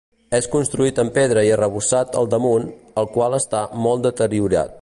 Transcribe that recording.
És construït amb pedra i arrebossat al damunt, el qual està molt deteriorat.